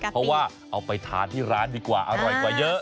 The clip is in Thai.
เพราะว่าเอาไปทานที่ร้านดีกว่าอร่อยกว่าเยอะ